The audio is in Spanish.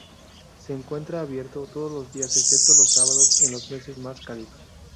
Se encuentra abierto todos los días excepto los sábados en los meses más cálidos.